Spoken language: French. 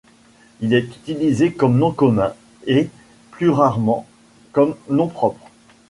Il est utilisé comme nom commun et, plus rarement, comme nom propre.